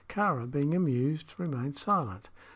Kāra, being amused, remained silent.